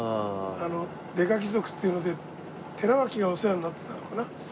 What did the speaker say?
『刑事貴族』っていうので寺脇がお世話になってたのかな？